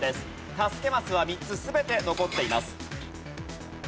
助けマスは３つ全て残っています。